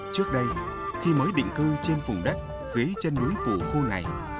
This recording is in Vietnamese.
trước đây khi mới định cư trên phùng đất dưới chân núi phủ khu này